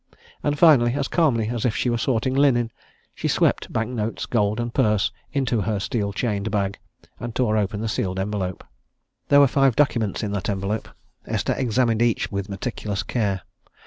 And finally and as calmly as if she were sorting linen she swept bank notes, gold, and purse into her steel chained bag, and tore open the sealed envelope. There were five documents in that envelope Esther examined each with meticulous care.